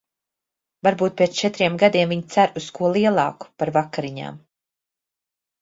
Varbūt pēc četriem gadiem viņa cer uz ko lielāku par vakariņām?